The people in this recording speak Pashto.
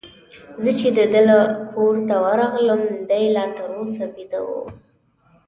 زه چي د ده کور ته ورغلم، دی لا تر اوسه بیده وو.